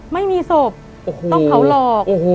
ไม่มีศพต้องเผาหลอก